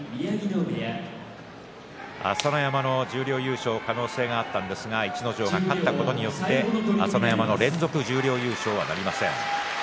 朝乃山の十両優勝、可能性があったんですが逸ノ城が勝ったことによって朝乃山の連続十両優勝はなりません。